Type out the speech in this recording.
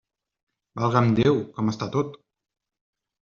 Valga'm Déu, com està tot!